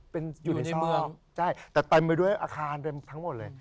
เป็นอยู่ในเมืองใช่แต่เต็มไปด้วยอาคารเต็มทั้งหมดเลย